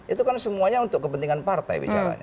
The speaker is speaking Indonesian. itu kan semuanya untuk kepentingan partai bicaranya